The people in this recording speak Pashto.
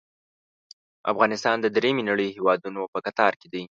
افغانستان د دریمې نړۍ هیوادونو په کتار کې دی.